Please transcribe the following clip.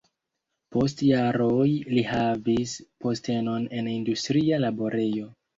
Post jaroj li havis postenon en industria laborejo.